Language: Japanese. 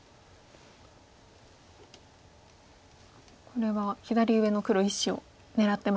これは左上の黒１子を狙ってますか。